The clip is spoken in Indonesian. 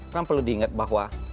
kan perlu diingat bahwa